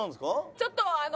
ちょっとあの。